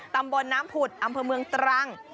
ตำบลน้ำผุดอำเภอเมืองตรัง